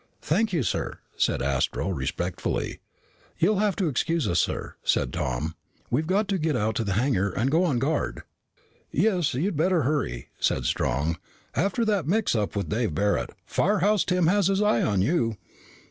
"Thank you, sir," said Astro respectfully. "You'll have to excuse us, sir," said Tom. "We've got to get out to the hangar and go on guard." "Yes, and you'd better hurry," said Strong. "After that mix up with Dave Barret, Firehouse Tim has his eye on you.